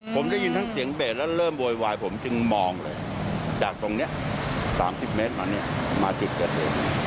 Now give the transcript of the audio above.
ผมได้ยินทั้งเสียงเบสแล้วเริ่มโวยวายผมจึงมองเลยจากตรงนี้๓๐เมตรมาเนี่ยมาจุดเกิดเหตุ